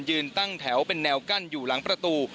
ตั้งแถวเป็นแนวกั้นอยู่หลังประตู